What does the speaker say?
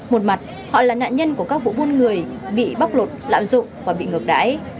một mặt họ là nạn nhân của các vụ buôn người bị bóc lột lạm dụng và bị ngược đáy